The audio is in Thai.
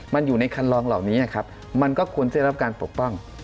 มันอยู่ในคันรองเหล่านี้มันก็ควรจะรับการปกป้อง